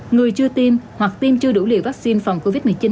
người chưa tiêm hoặc tiêm chưa đủ liều vaccine phòng covid một mươi chín